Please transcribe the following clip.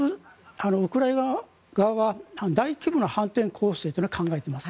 ウクライナ側は大規模な反転攻勢を考えています。